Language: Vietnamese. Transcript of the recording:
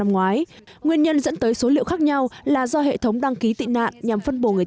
nguyên nhân dẫn tới số liệu khác nhau là do hệ thống đăng ký tị nạn nhằm phân bổ người